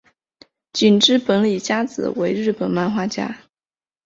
井之本理佳子为日本漫画家。